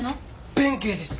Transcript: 弁慶です！